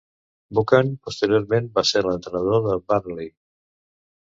Buchan posteriorment va ser l'entrenador del Burnley.